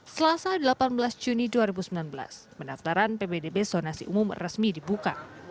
selasa delapan belas juni dua ribu sembilan belas pendaftaran ppdb zonasi umum resmi dibuka